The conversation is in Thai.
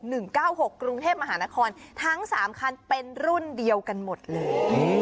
เก้าหกกรุงเทพมหานครทั้งสามคันเป็นรุ่นเดียวกันหมดเลยอืม